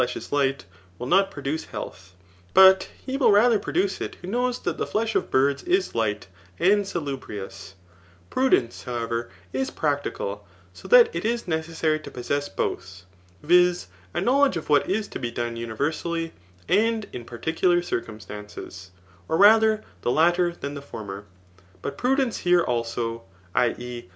Digitized by Google CHAP* yilU ETHICS* 223 fleA is light, will not produce health } but he will radier produce it who knows that the flesh ^ l^rds is light and ^ubrious* Prudence, however, is practical^ so that it is necessary to possess both, [viz. a knowledge of what is to be done universally, and in particular circumstances,]] OF rather the latter than the former. But prudence here also [i. e.